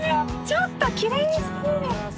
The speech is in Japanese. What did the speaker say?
ちょっときれいすぎる！